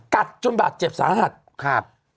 กัดจนบาดเจ็บสาหัสครับ